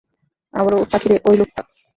আবারও উটপাখির ঐ লোকটা।